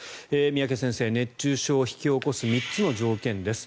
三宅先生、熱中症を引き起こす３つの条件です。